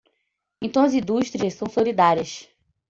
Então as indústrias são solidárias.